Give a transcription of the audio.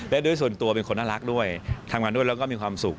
และด้วยส่วนตัวเป็นคนน่ารักด้วยทำงานด้วยแล้วก็มีความสุข